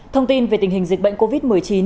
thông tin về tình hình dịch bệnh covid một mươi chín